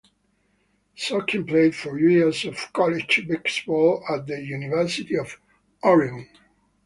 Sorkin played four years of college basketball at the University of Oregon.